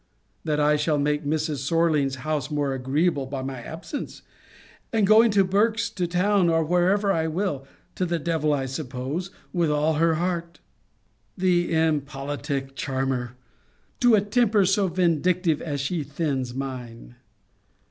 That I shall make Mrs. Sorlings's house more agreeable by my absence? And go to Berks, to town, or wherever I will,' [to the devil, I suppose,] 'with all her heart?' The impolitic charmer! To a temper so vindictive as she thins mine!